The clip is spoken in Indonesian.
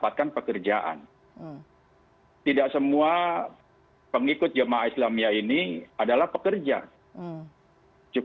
terima kasih pak